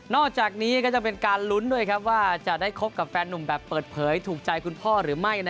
อกจากนี้ก็จะเป็นการลุ้นด้วยว่าจะได้คบกับแฟนนุ่มแบบเปิดเผยถูกใจคุณพ่อหรือไม่